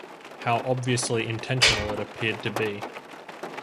How obviously intentional it appeared to be.